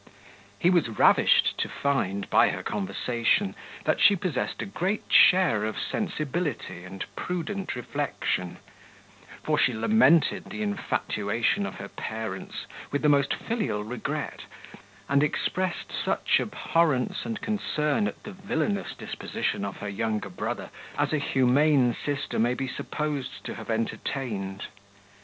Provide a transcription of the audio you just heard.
He was ravished to find, by her conversation, that she possessed a great share of sensibility and prudent reflection; for she lamented the infatuation of her parents with the most filial regret, and expressed such abhorrence and concern at the villainous disposition of her younger brother as a humane sister may be supposed to have entertained.